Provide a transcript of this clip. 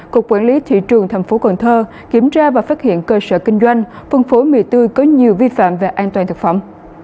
cục quản lý thị trường tp cn kiểm tra và phát hiện cơ sở kinh doanh phân phối mì tươi có nhiều vi phạm về an toàn thực phẩm